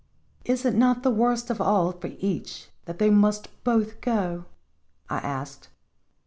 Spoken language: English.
" Is it not the worst of all for each that they must both go?" I asked.